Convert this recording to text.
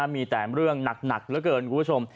มีแต่เรื่องหนักเหลือเกินคุณผู้ชม